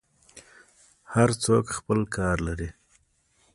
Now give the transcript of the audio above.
هر څوک خپل کار لري.